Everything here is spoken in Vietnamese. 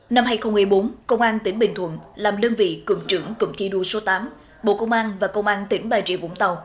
năm hai nghìn một mươi bốn công an tỉnh bình thuận làm đơn vị cụng trưởng cụng thi đua số tám bộ công an và công an tỉnh bà rịa vũng tàu